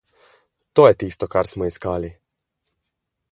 To je tisto, kar smo iskali!